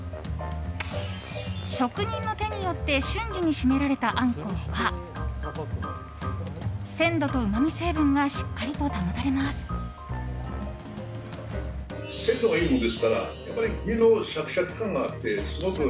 職人の手によって瞬時に締められたアンコウは鮮度とうまみ成分がしっかりと保たれます。